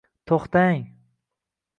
-To’xta-a-a-ang!